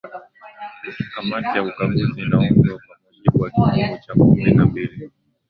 kamati ya ukaguzi inaundwa kwa mujibu wa kifungu cha kumi na mbili